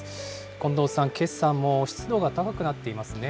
近藤さん、けさも湿度が高くなっていますね。